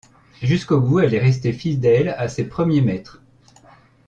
Jusqu'au bout, elle est restée fidèle à ses premiers maîtres.